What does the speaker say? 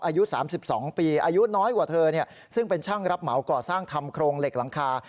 อายุ๓๒ปีอายุน้อยกว่าเธอซึ่งเป็นช่างรับเหมาก่อสร้างทำโครงเหล็กหลังคา